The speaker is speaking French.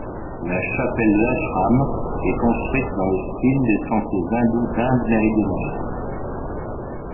La chapelle de l’ashram est construite dans le style des temples hindous d’Inde méridionale.